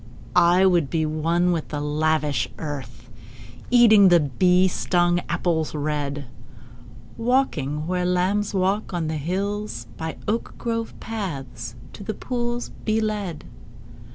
I would be one with the lavish earth, Eating the bee stung apples red: Walking where lambs walk on the hills; By oak grove paths to the pools be led.